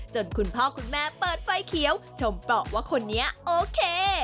คุณพ่อคุณแม่เปิดไฟเขียวชมเปราะว่าคนนี้โอเค